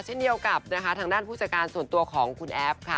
เช่นเดียวกับนะคะทางด้านผู้จัดการส่วนตัวของคุณแอฟค่ะ